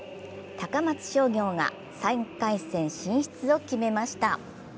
高松商業が３回戦進出を決めました。